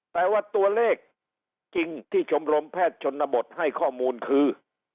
แต่ว่าตัวเลขจริงที่ชมรมแพทย์ชนบทให้ข้อมูลคือ